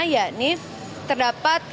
ya ini terdapat